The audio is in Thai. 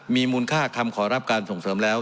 มีมูลค่าคำขอรับการส่งเสริมแล้ว